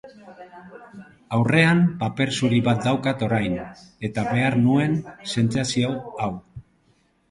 Aurrean, paper zuri bat daukat orain, eta behar nuen sentsazio hau.